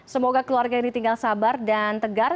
semoga keluarga ini tinggal sabar dan tegar